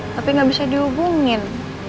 tapi gak bisa dihubungin